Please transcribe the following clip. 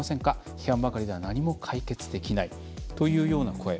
批判ばかりでは何も解決できない」というような声。